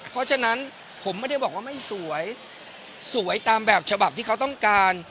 เพราะฉะนั้นผมไม่ได้บอกว่าไม่สวยสวยตามแบบฉบับที่เขาต้องการ